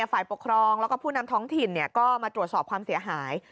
ฝ่ายปกครองแล้วก็ผู้นำท้องถิ่นก็มาตรวจสอบความเสียหาย